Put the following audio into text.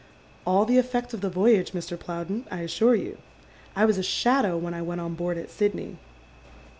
" All the effect of the voyage, Mr. Plowden, I assure you. I was a shadow when I went on boaid at Sidney."